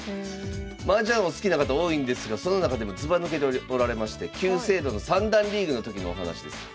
マージャンお好きな方多いんですがその中でもずば抜けておられまして旧制度の三段リーグの時のお話です。